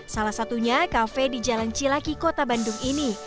salah satunya kafe di jalan cilaki kota bandung ini